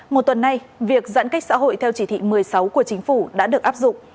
một tuần nay việc giãn cách xã hội theo chỉ thị một mươi sáu của chính phủ đã được áp dụng